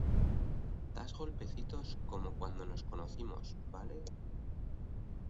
das golpecitos como cuando nos conocimos, ¿ vale?